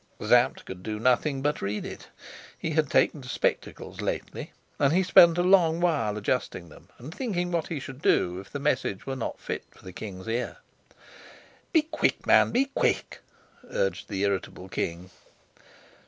Sapt could do nothing but read it. He had taken to spectacles lately, and he spent a long while adjusting them and thinking what he should do if the message were not fit for the king's ear. "Be quick, man, be quick!" urged the irritable king.